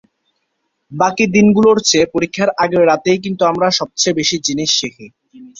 বাকি দিনগুলোর চেয়ে পরীক্ষার আগের রাতেই কিন্তু আমরা সবচেয়ে বেশি জিনিস শিখি।